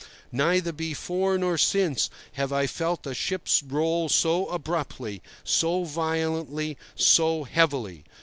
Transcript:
Neither before nor since have I felt a ship roll so abruptly, so violently, so heavily.